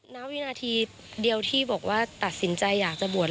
ณวินาทีเดียวที่บอกว่าตัดสินใจอยากจะบวช